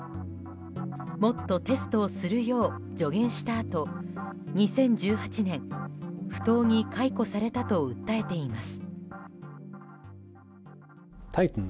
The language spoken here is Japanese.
もっとテストをするよう助言したあと２０１８年、不当に解雇されたと訴えています。